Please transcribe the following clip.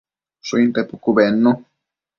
Shuinte pucu bednu